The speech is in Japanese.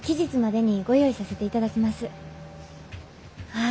はい。